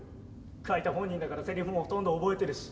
書いた本人だからせりふもほとんど覚えてるし。